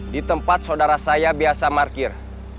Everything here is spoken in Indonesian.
ditempat saudara saya biasa markir